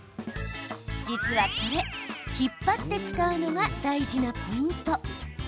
実はこれ、引っ張って使うのが大事なポイント。